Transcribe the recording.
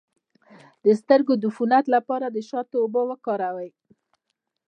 د سترګو د عفونت لپاره د شاتو اوبه وکاروئ